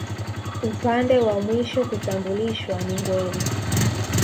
Upande wa mwisho kutambulishwa ni Ngweli